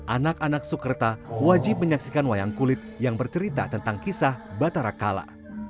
anak anak sukerta wajib menyaksikan wayang kulit yang bercerita tentang kisah batara kala